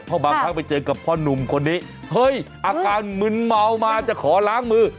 เพราะบางครั้งไปเจอกับพ่อนุ่มคนนี้เฮ้ยอาการมึนเมามาจะขอล้างมือ